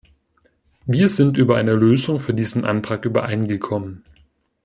Wir sind über eine Lösung für diesen Antrag übereingekommen.